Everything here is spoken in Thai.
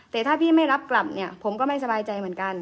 แต่ถ้าพี่ไม่รับกลับเนี่ยผมก็ไม่สบายใจเหมือนกัน